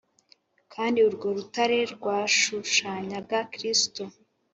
kandi urwo rutare rwashushanyaga Kristo